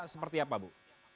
seperti apa ibu